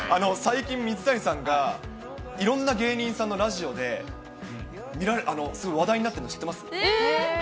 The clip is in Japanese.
最近、水谷さんが、いろんな芸人さんのラジオで、すごい話題になえー？